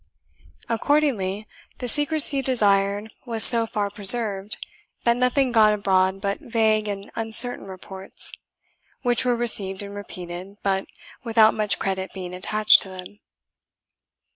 Accordingly, the secrecy desired was so far preserved, that nothing got abroad but vague and uncertain reports, which were received and repeated, but without much credit being attached to them.